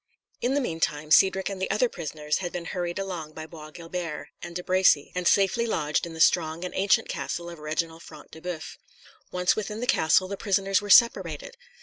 In the meantime Cedric and the other prisoners had been hurried along by Bois Guilbert and De Bracy, and safely lodged in the strong and ancient castle of Reginald Front de Boeuf. Once within the castle, the prisoners were separated.